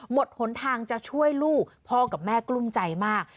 หนทางจะช่วยลูกพ่อกับแม่กลุ้มใจมาก